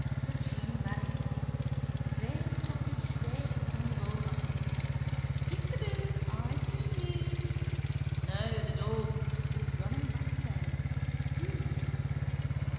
The two maries. They have tucked it safe mong the bulrushes. Peekaboo. I see you. No, the dog. He is running back to them. Who?